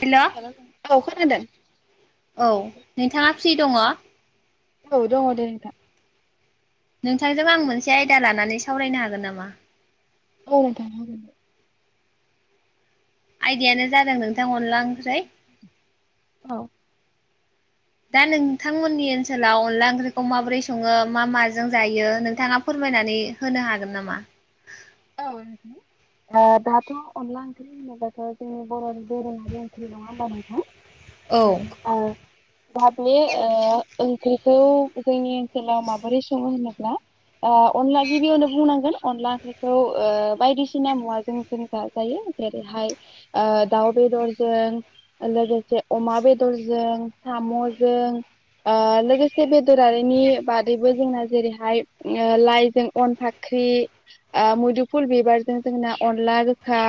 हेल नोंथां औ खोनादों औ नोंथाङा फ्रि दङ? औ दङ दे नोंथां। नोंथांजों आं मोनसे आयदा लानानै सावरायनो हागोन नामा? औ नोंथां हागोन आयदायानो जादों नोंथां अनला ओंख्रै औ दा नोंथांमोननि ओनसोलाव अनला ओंख्रिखौ माबोरै सङो मा माजों जायो नोंथाङा फोर फोरमायनानै होनो हागोन नामा? औ ओ दाथ‌' अनला ओंख्रि होनोबाथाय जोंनि बर'नि दोरोङारि ओंख्रि नङा होनबा नोंथां? ओ गाबनि ओ बेखौ जोंनि ओनसोलाव माबोरै सङो होनोब्ला ओ अनला गिबियावनो बुंनांगोन। अनला ओंख्रि खौ‌ ओ बायदिसिना मुवाजों जों जाजायो जेरैहाय ओ दाउ बेदरजों जों लोगोसे अमा बेदरजों सामजों ओ लोगोसे बेदरारिनि बादैबो जोंना जेरैहाय ओ लाइजों अनफा ओंख्रि ओ मुदुफुल बिबारजों जोंना अनला गोखा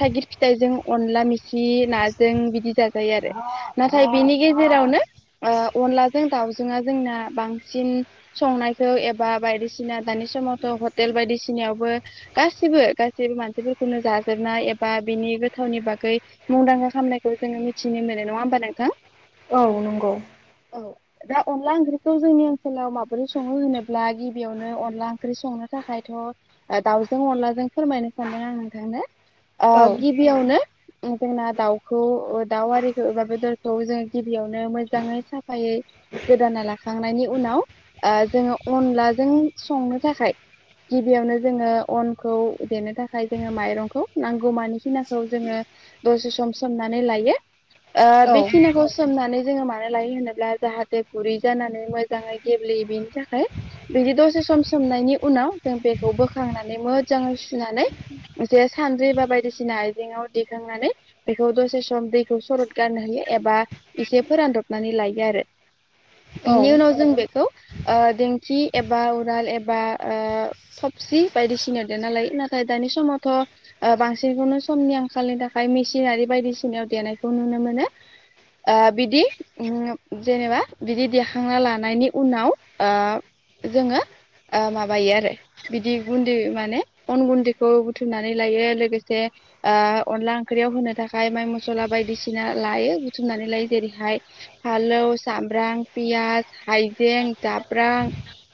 थाइगिर फिथाइजों अनला मेखि नाजों बिदि जाजायो आरो नाथाय बिनि गेजेराव आवनो जों बांसिन संबा बायसि निसिना दानि समावथ' हटेल बायदि सिनियावबो गासिबो गासैबो मानसिफोरखौनो जाजोबनाय एबा बिनि गोथावनि बागै मुंदांखा खामनायखौ जोङो मिथिनो मोनो नङा होमबा नोंथां? औ नंगौ। औ दा अनला ओंख्रिखौ जोंनि ओनसोलाव माबोरै सङो होनोब्ला गिबियावनो अनला ओंख्रि संनो थाखायथ' दाउजों अनलाजों फोरमायनो सानदों आं नोंथांनो औ गिबियावनो जोंना दाउखौ दाउ आरिखौ एबा बेदरखौ जों गिबियावनो मोजाङै साफायै गोदाना लाखांनायनि उनाव जोङो अनलाजों संनो थाखाय गिबि यावनो जोङो अनखौ देनो थाखाय जोङो माइरंखौ नांगौ मानि खिनाखौ जोङो दसे सम सोमनानै लायो ओ औ बेखिनाखौ सोमनानै जोंङो मानो लायो होनोब्ला जाहाथे गुरै जानानै मोजांङै गेब्लेयो बेनि थाखाय। बिदि दसे सम सोमनायनि उनाव जों बेखौ बोखांनानै मोजाङै सुनानै जे सानद्रि बा बायदिसिना आइजें आव दिखां नानै बेखौ दसे सम दैखौ सरद गारनो होयो एबा एसे फोरानदबनानै लायो आरो [inaudible] बिनि उनाव औ जों बेखौ ओ देंखि एबा उराल एबा ओ थबसि बायदिसिनायाव देना लायो नाथाय दानि समावथ' बांसिनखौनो समनि आंखालनि था खाय मेसिनारि बायदिसिनायाव देनायखौ नुनो मोनो। ओ बिदि उम जेनेबा बिदि देखांना लानायनि उनाव ओ जोंङो ओ माबायो आरो बिदि गुन्दै माने अन गुन्दैखौ बुथुमनानै लायो लोगोसे ओ अनला ओं ख्रियाव होनो थाखाय माइ मस्ला बायदिसिना लायो बुथुमनानैलाय जेरैहाय फालौ साम ब्राम पियास हाइजें जाब्रां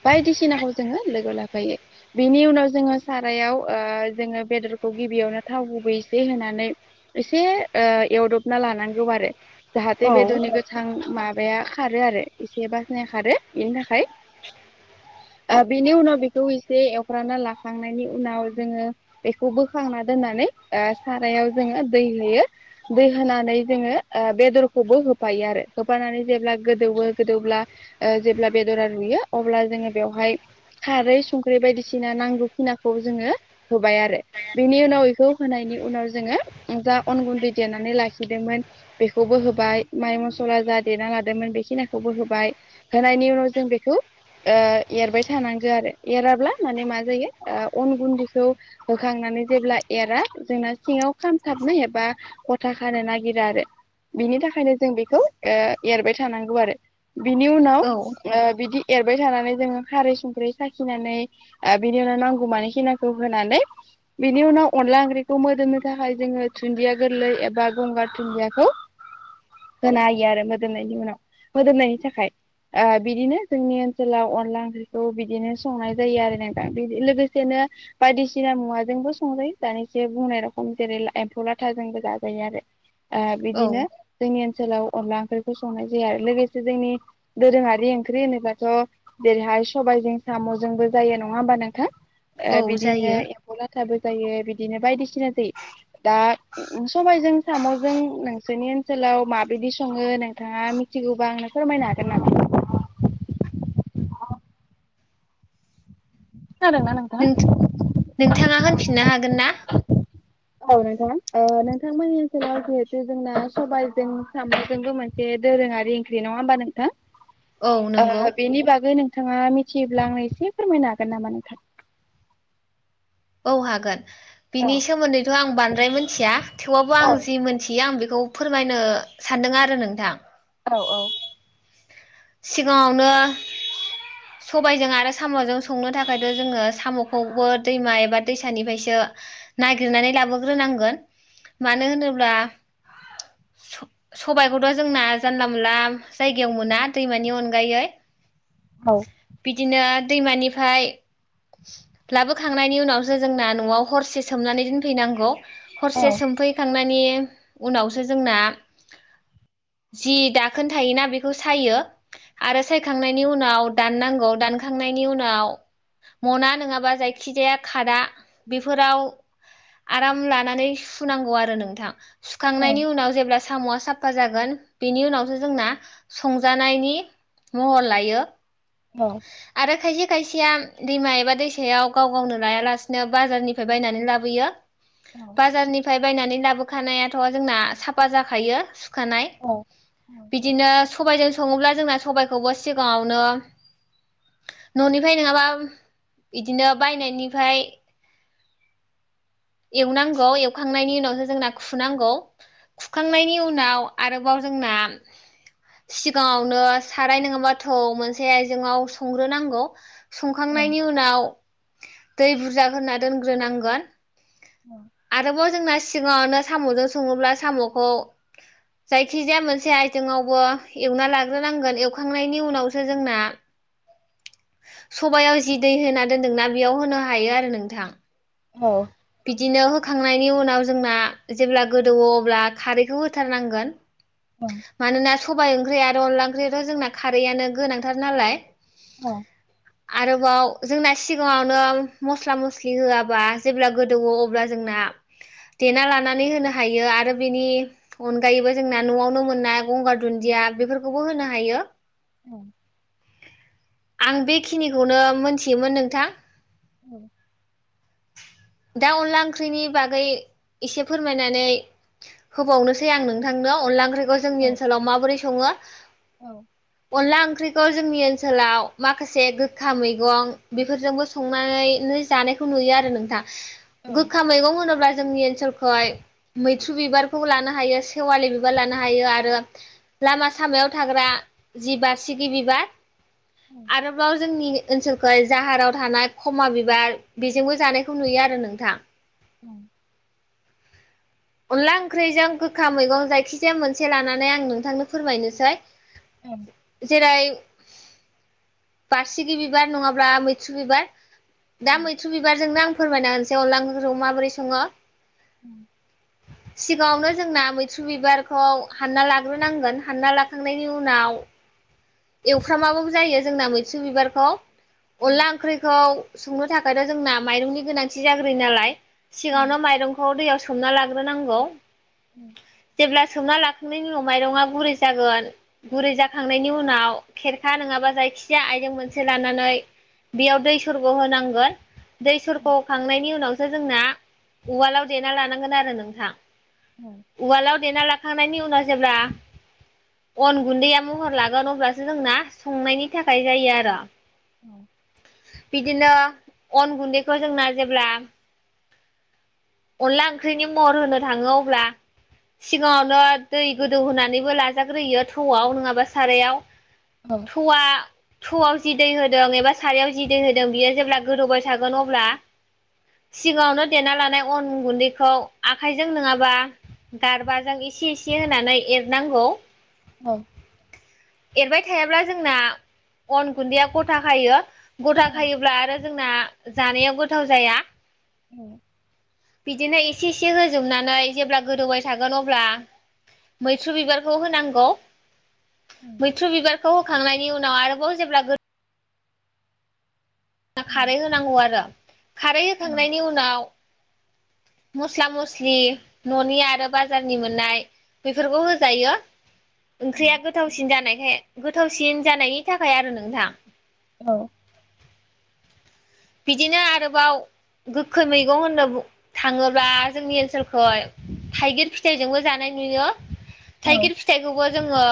बायदिसिनाखौ जोंङो लोगोआव लाफायो। बिनि उनाव जोंङो सारायाव ओ जोंङो बेदरखौ गिबियावनो थाव गुबै एसे होनानै एसे ओ एवदबना लानांगौ आरो जाहाथे बेदरनि गोथां माबाया खारो आरो इसे बासनाया खारो बेनि थाखाय ओ बेनि उनाव बेखौ एसे एवफ्रामना लाखांनायनि उनाव जोंङो बेखौ बोखांना दोननानै ओ सारायाव जोंङो दै होयो दै होनानै जोंङो ओ बेदरखौबो होफायो आरो होफानानै जेब्ला गोदौओ गोदौब्ला ओ जेब्ला बेदरा रुयो अब्ला जोंङो बेवहाय खारै सं ख्रि बायदिसिना नांगौखिनाखौ जोंङो होबाय आरो बेनि उनाव बेखौ होनायनि उनाव जोंङो जा अन गुन्दै देनानै लाखिदोंमोन बेखौबो होबाय माइ मस'ला जा देना लादोंमोन बेखिनाखौबो होबाय होनायनि उनाव जों बेखौ ओ एरबाय थानांगो आरो एराब्ला माने मा जायो ओ अन गुन्दैखौ होखांनानै जेब्ला एरा जोंना सिं ङाव खामथाबनाय एबा गथा खानो नागिरो आरो बिनि थाखायनो जों बेखौ ओ एरबाय थानांगौ आरो। बिनि उनाव औ ओ बिदि एरबाय थानानै जोंङो खारै संख्रै साखिनानै ओ बिनि उनाव नांगौ मानि खिनाखौ होनानै बिनि उनाव अनला ओंख्रिखौ मो दोननो थाखाय जोंङो दुन्दिया गोरलै एबा गंगार दुुनदियाखौ होना होयो आरो मोदोमनायनि उनाव मोदोमनायनि थाखाय। ओ बिदिनो जोंनि ओनसोलाव अनला ओंख्रिखौ बि बिदिनो संनाय जायो आरो नोंथां बि लोगोसेनो बायदिसिना मुवाजोंबो संजायो सोङो दानिसो बुं नाय रखम जेरै एम्फौ लाथा जोंबो जाजायो आरो औ बिदिनो जोंनि ओनसोलाव अनला ओंख्रिखौ संनाय जायो आरो लोगोसे जोंनि दोरोंङारि ओंख्रि होनोब्लाथ' जेरैहाय सबायजों साम'जोंबो जायो नंङा होमबा नोंथां? ओ औ बिदिनो जायो एम्फौ लाथाबो जायो बि बिदिनो बायदिसिना जायो दा सबायजों साम'जों नोंसोरनि ओनसोलाव माबि दि संङो नोंथांङा मिथिगौबा आंनो फोरमायनो हागोन नामा? खोनादोंना नोंथाङा? नों नोंथांङा होनफिननो हागोन ना? औ नोंथां ओ नोंथांमोननि ओनसोलाव जिहेतु जोंना सबायजों साम'जोंबो मोनसे दोरोंङारि ओंख्रि नंङा होमबा नोंथां? औ नंगौ ओ बेनि बागै नों थांङा मिथियोब्ला आंनो एसे फोरमायनो हागोन नामा नोंथां? औ हागोन औ बिनि सोमोन्दैथ' आं बांद्राय मोनथिया थेवबाबो औ आं जि मोनथियो आं बे खौ फोरमायनो सान्दों आरो नोंथां। औ औ। सिगांङावनो सबायजों आरो साम'जों संनो थाखायथ' जोंङो साम'खौबो दैमा एबा दैसानिफ्रायसो नागिरनानै लाबोग्रोनांगोन मानो होनोब्ला स-सबायखौथ' जोंना जानला मोनला जायगायाव मोना दैमानि अनगायै औ बिदिनो दैमानिफ्राय लाबोखांनायनि उनावसो जोंना न'आव हरसे सोमनानै दोनफैनांगौ। औ हरसे सोमफैखांनायनि उनावसो जोंना जि दाखोन्थायोना बेखौ सायो आरो सायखांनायनि उनाव दाननांगौ दानखांनायनि उनाव मना नङाबा जायखिजाया खादा बेफोराव आराम लानानै सुनांगौ आरो नोंथां। सुखांनायनि उनाव जेब्ला साम'आ साफा जागोन बेनि उनावसो जोंना संजा नायनि महर लायो औ आरो खायसे खायसेया दैमा एबा दैसायाव गाव गावनो लायालासिनो बाजारनिफ्राय बायनानै लाबोयो। बाजारनिफ्राय बायनानै लाबोखानायाथ' जोंना साफा जाखायो। खानाय औ बिदिनो सबाइ जों सङोब्ला जोंना सबायखौबो सिगाङावनो न'निफ्राय नङाबा बिदिनो बायनायनिफ्राय एवनांगौ एवखांनायनि उनावसो जोंना खुनांगौ खुखांनायनि उनाव आरोबाव जोंना सिगाङावनो साराय नोङाबाथ' मोनसे आयजोआव संग्रोनांगौ। औ संखांनायनि उनाव दै बुरजा होना दोनग्रोनांगोन। आरोबाव जोंना सिगाङावनो साम'जों सङोब्ला साम'खौ जायखिजाया मोनसे आइथिंआवबो एवना लाग्रोनांगोन एवखांनायनि उनावसो जोंना [inaudible] सबायाव जि दै होना दोनदोंना बेयाव होनो हायो आरो नोंथां। ह बिदिनो होखांनायनि उनाव जोंना जेब्ला गोदौवो अब्ला खारैखौ होथारनांगोन। मानोना सबाय ओंख्रि आरो अनला ओंख्रियाथ' जोंना खारैआनो गोनांथार नालाय। औ। आरोबाव जोंना सिगाङावनो मस्ला मस्लि होआबा जेब्ला गोदौव अब्ला जोंना देना लानानै होनो हायो आरो बेनि अनगायैबो जोंना न'आवनो मोननाय गंगार दुदिया बेफोरखौबो होनो हायो। औ। आं बेखिनिखौनो मोनथियोमोन नोंथां। [inaudible] दा अनला ओंख्रिनि बागै एसे फोरमायनानै होबावनोसै आं नोंथांनो अनला ओंख्रिखौ जोंनि ओनसोलाव माबोरै सङो। औ। अनला ओंख्रिखौ जोंनि ओनसोलाव माखासे गोखा मैगं बेफोरजोंबो संनानै जानायखौ नुयो आरो नोंथां औ गोखा मैगं होनोब्ला जोंनि ओनसोलखौहाय मैथ्रु बिबारखौ लानो हायो सेवालि बिबार लानो हायो आरो लामा सामायाव थाग्रा जि बारसिगि बिबार आरोबाव जोंनि ओनसोलखौहाय जाहाराव थानाय खमा बिबार बेजोंबो जानायखौ नुयो आरो नोंथां। उम। अनला ओंख्रिजों गोखा मैगं जायखिजाया मोनसे लानानै आं नोंथांनो फोरमायनोसै। औ जेरै बारसिगि बिबार नङाब्ला मैथ्रु बिबार दा औ मैथ्रु बिबारजोंनो आं फोरमायना होनोसै अनला ओंख्रिखौ माबोरै सङो। उम। सिगाङावनो जोंना मैथ्रु बिबारखौ हानना लाग्रोनांगोन हानना लाखांनायनि उनाव एवफ्रामाबाबो जायो जोंना मैथ्रु बिबारखौ अनला ओंख्रिखौ संनो थाखायथ' जोंना माइरंनि गोनांथि जाग्रोयो नालाय सिगाङावनो माइरंखौ दैयाव सो सोमना लाग्रोनांगौ जेब्ला सोमना ला सुनायनि उनाव माइरङा गुरै जागोन गुरै जाखांनायनि उनाव खेरखा नङाबा जायखिजाया आइजें मोनसे लानानै बेयाव दै सरग' होनांगोन दै सरग' होखांनायनि उनावसो जोंना उवालाव देना लानांगोन आरो नोंथां उवालाव देना ला खांनायनि उनाव जेब्ला अन गुन्दैया महर लागोन अब्ला जोंना संनायनि थाखाय जायो आरो औ बिदिनो अन गुन्दैखो जोंना जेब्ला अनला ओंख्रिनि महर होनो थाङो अब्ला सिगाङावनो दै गोदौ होनानैबो लाजाग्रोयो थौआव नङाबा सारायाव थौवा थौवाव जि दै होदों एबा सारायाव जि दै होदों बियो जेब्ला गोदोबाय थागोन अब्ला सिगाङावनो देना लानाय अन गुन्दैखौ आखाइजों नङाबा गारबाजों एसे-एसे होनानै एरनांगौ औ एरबाय थायाब्ला जोंना अन गुन्दैया गथा खायो गथा खायोब्ला आरो जोंना जानायाव गोथाव जाया औ बिदिनो एसे-एसे होजोबनानै जेब्ला गोदौबाय थागोन अब्ला मैथ्रु बिबारखौ होनांगौ मैथ्रु बिबारखौ होखांनायनि उनाव आरोबाव जेब्ला गो खारै होनांगौ आरो खारै होखांनायनि उनाव [inaudible] मस्ला मस्लि न'नि आरो बाजारनि मोननाय बेफोरखौ होजायो ओंख्रिया गोथावसिन जानायखाय गोथावसिन जानायनि थाखाय आरो नोंथां औ बिदिनो आरोबाव गोखै मैगं होननो थाङोब्ला जोंनि ओनसोलखै थाइगिर फिथाइजोंबो जानाय नुयो थाइगिर फिथाइखौबो जोङो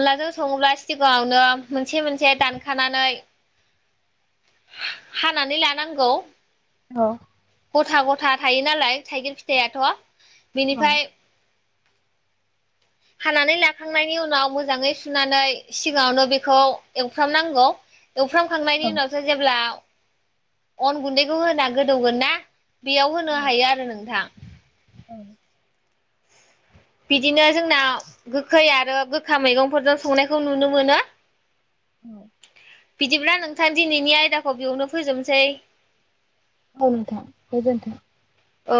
अनलाजों सङोब्ला सिगाङावनो मोनसे-मोनसे दानखानानै [inaudible] हानानै लानांगौ गथा-गथा थायो नालाय थाइगिर फिथाइआथ' बिनिफाय हानानै लाखांनायनि उनाव मोजाङै सुनानै सिगाङावनो बेखौ एवफ्रामनांगौ एवफ्रामखांनायनि उनावसो जेब्ला [inaudible] अन गुन्दैखौ होना गोदौगोन ना बेयाव होनो हायो आरो नोंथां बिदिनो जोंना गोखै आरो गोखा मैगंफोरजों संनायखौ नुनो मोनो औ बिदिब्ला नोंथां दिनैनि आयदाखौ बेयावनो फोजोबनोसै औ नोंथां गोजोनथों औ